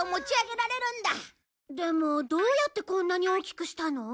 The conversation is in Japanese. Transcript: でもどうやってこんなに大きくしたの？